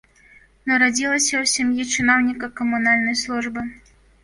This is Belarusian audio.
Нарадзілася ў сям'і чыноўніка камунальнай службы.